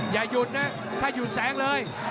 อย่าหยุดนะถ้าหยุดแสงเลย